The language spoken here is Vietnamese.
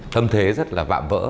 tâm thế rất là vạm vỡ